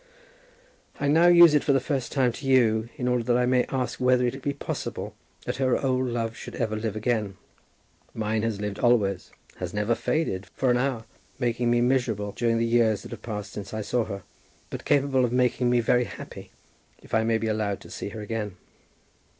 I now use it for the first time to you, in order that I may ask whether it be possible that her old love should ever live again. Mine has lived always, has never faded for an hour, making me miserable during the years that have passed since I saw her, but capable of making me very happy, if I may be allowed to see her again.